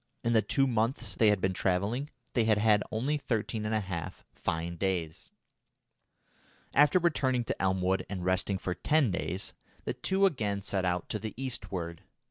In the two months they had been travelling, they had had only thirteen and a half fine days. After returning to Elmwood and resting for ten days, the two again set out to the eastward.